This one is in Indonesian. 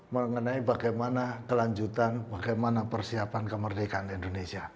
mengenai bagaimana kelanjutan bagaimana persiapan kemerdekaan indonesia